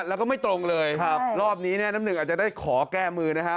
แล้วก็ไม่ตรงเลยครับรอบนี้เนี่ยน้ำหนึ่งอาจจะได้ขอแก้มือนะฮะ